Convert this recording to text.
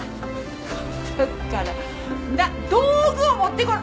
だから道具を持ってこい。